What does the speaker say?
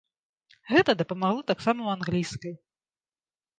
Гэта дапамагло таксама ў англійскай.